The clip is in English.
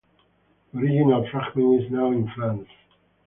The original fragment is now in France.